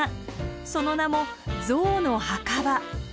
その名も象の墓場。